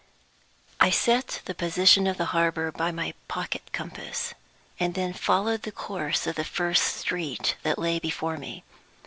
I SET the position of the harbor by my pocket compass, and then followed the course of the first street that lay before me.